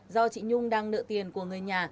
do chị nhung đang nợ tiền của người nhà